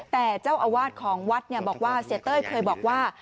แต่เจ้าอาวาสของวัดบอกว่าเสียเต้ยเคยบอกว่า